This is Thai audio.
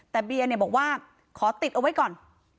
แต่เบียบอกว่าขอติดเอาไว้ก่อน